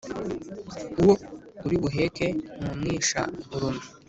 “uwo uri buheke ntumwisha urume!”